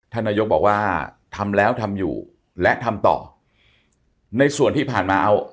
ท่านนายกบอกว่าทำแล้วทำอยู่และทำต่อในส่วนที่ผ่านมาเอา